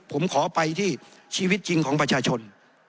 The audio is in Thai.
ผมขอไปที่ชีวิตจริงของประชาชน